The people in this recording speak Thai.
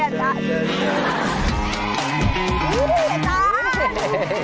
อุ๊ยอาจารย์